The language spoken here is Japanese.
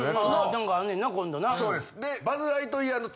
何かあんねんな今度な。